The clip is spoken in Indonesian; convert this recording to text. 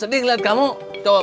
coba bayangin anak sudah mulai besar